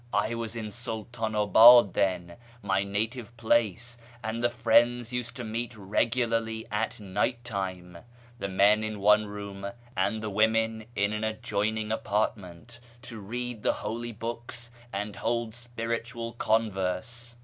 I was in Sultanabad then — my native place — and the Friends used to meet regularly at night time, the men in one room and the women in an adjoining aj)artment, to read the Holy Books and hold spiritual converse.